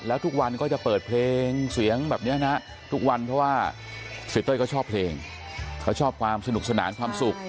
แล้วทุกวันก็จะเปิดเพลงเสียงแบบนี้นะทุกวันเพราะว่าเสียเต้ยก็ชอบเพลงเขาชอบความสนุกสนานความสุข